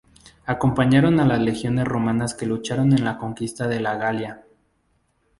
Acompañaron a las legiones romanas que lucharon en la conquista de la Galia.